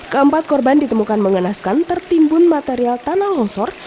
keempat korban ditemukan mengenaskan tertimbun material tanah longsor